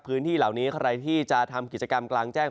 พื้นที่เหล่านี้ใครที่จะทำกิจกรรมกลางแจ้ง